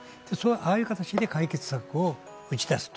ああいう形で解決策を打ち出す。